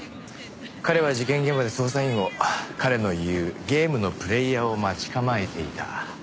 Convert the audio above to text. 彼は事件現場で捜査員を彼の言うゲームのプレーヤーを待ち構えていた。